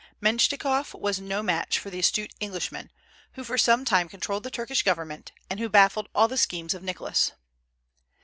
Mentchikof was no match for the astute Englishman, who for some time controlled the Turkish government, and who baffled all the schemes of Nicholas.